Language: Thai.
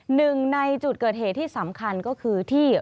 หนึ่งในจุดเกิดเหตุที่สำคัญก็คือที่